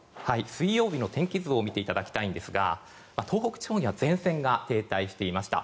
水曜日の天気図を見ていただきたいんですが東北地方には前線が停滞していました。